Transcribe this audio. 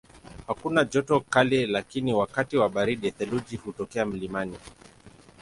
Hakuna joto kali lakini wakati wa baridi theluji hutokea mlimani.